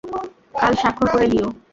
কাল স্বাক্ষর করে দিয়ো।